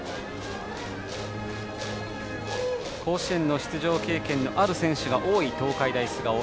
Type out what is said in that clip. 甲子園の出場経験のある選手が多い東海大菅生。